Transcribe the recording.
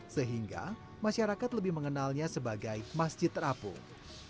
sehingga masyarakat lebih mengenalnya sebagai masjid terapung